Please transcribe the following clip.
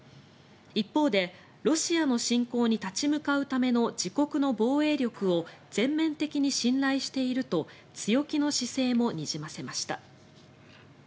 一方でロシアの侵攻に立ち向かうための自国の防衛力を全面的に信頼していると強気の姿勢もにじませました。